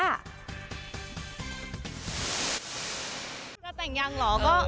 อยากแต่งยังเหรอ